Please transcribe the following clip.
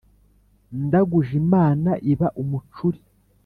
Ndaguje imana iba umucuri!